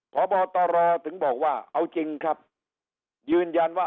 ถึงหรือไม่ถึงพบตรถึงบอกว่าเอาจริงครับยืนยันว่า